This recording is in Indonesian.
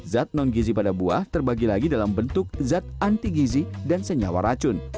zat non gizi pada buah terbagi lagi dalam bentuk zat anti gizi dan senyawa racun